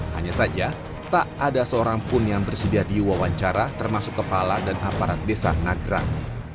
hanya saja tak ada seorang pun yang bersedia diwawancara termasuk kepala dan aparat desa nagrang